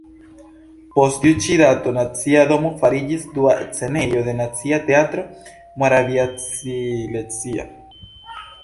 Post tiu ĉi dato Nacia domo fariĝis dua scenejo de Nacia teatro moraviasilezia.